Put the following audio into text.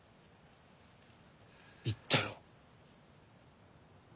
言ったろう。